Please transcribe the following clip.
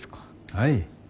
はい。